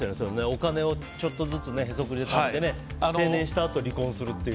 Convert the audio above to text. お金をちょっとずつへそくりでためて定年した後離婚するっていう。